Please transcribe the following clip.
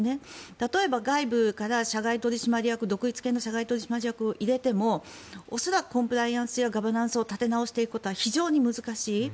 例えば外部から独立系の社外取締役を入れても恐らく、コンプライアンスやガバナンスを立て直していくことは非常に難しい。